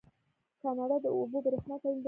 کاناډا د اوبو بریښنا تولیدوي.